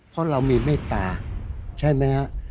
เพราะเรามีเมตตาใช่ไหมฮะ